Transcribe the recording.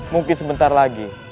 mungkin sebentar lagi